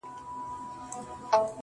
داسي محراب غواړم، داسي محراب راکه.